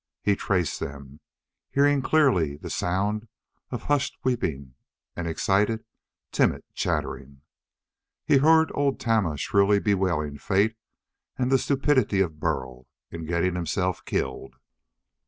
He traced them, hearing clearly the sound of hushed weeping and excited, timid chattering. He heard old Tama shrilly bewailing fate and the stupidity of Burl in getting himself killed.